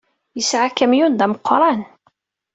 Yesɛa akamyun d ameqran.